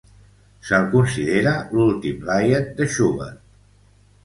Se'l considera l'últim lied de Schubert.